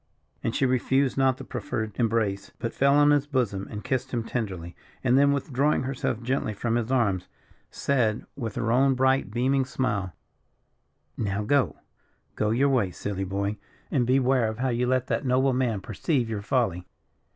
And she refused not the proffered embrace, but fell on his bosom and kissed him tenderly; and then withdrawing herself gently from his arms, said, with her own bright, beaming smile: "Now go go your way, silly boy and beware how you let that noble man perceive your folly."